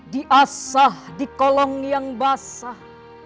diasah di kolong yang basah